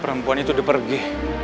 perempuan itu udah pergi